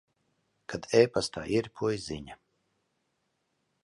Kad e-pastā ieripoja ziņa.